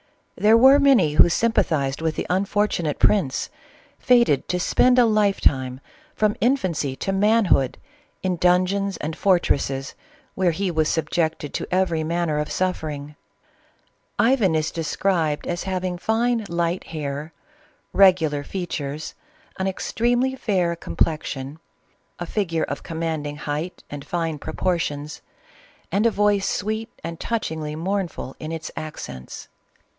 There were many who sympathized with the unfortunate prince, fated to spend a life time, from infancy to man hood, in dungeons and fortresses where he was subject ed to every manner of suffering. Ivan is described as having fine light hair, regular features, an extremely fair complexion, a figure of commanding height and fine proportions, and a voice sweet and touchingly mournful in its accents.